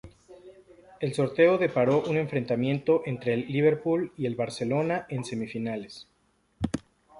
El sorteo deparó un enfrentamiento entre el Liverpool y el Barcelona en semifinales.